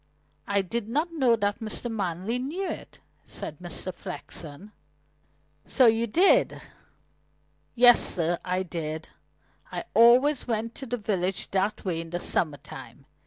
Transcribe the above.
I did not know that Mr. Manley knew it," said Mr. Flexen. "So you did?" "Yes, sir, I did. I always went to the village that way in the summer time.